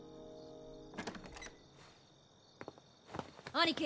兄貴。